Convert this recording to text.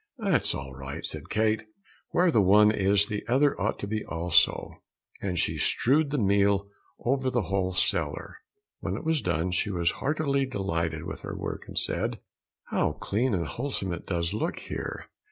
"It is all right," said Kate, "where the one is the other ought to be also," and she strewed the meal over the whole cellar. When it was done she was heartily delighted with her work, and said, "How clean and wholesome it does look here!"